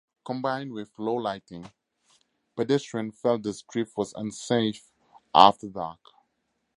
Combined with low lighting, pedestrians felt the street was unsafe after dark.